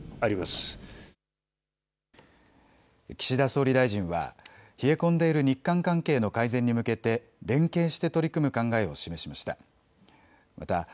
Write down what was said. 岸田総理大臣は冷え込んでいる日韓関係の改善に向けて連携して取り組む考えを示しました。